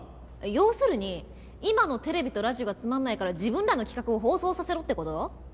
要するに今のテレビとラジオがつまんないから自分らの企画を放送させろって事？